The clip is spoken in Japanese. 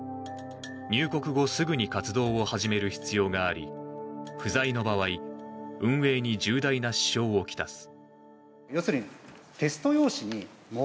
入国後すぐに活動を始める必要があり不在の場合運営に重大な支障を来す。